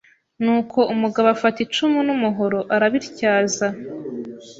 Nuko umugabo afata icumu n' umuhoro arabityaza